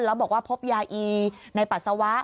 แล้วบอกว่าพบยาอีในปัสสาวะ